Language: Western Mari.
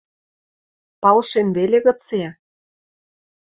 – Палшен веле гыце.